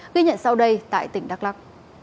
ghi nhận sau đây tại tỉnh đắk lắc